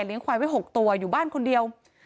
ควายไว้๖ตัวอยู่บ้านคนเดียว